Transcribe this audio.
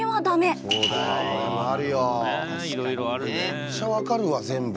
めっちゃ分かるわ全部。